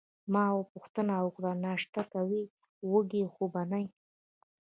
ما پوښتنه وکړه: ناشته کوې، وږې خو به نه یې؟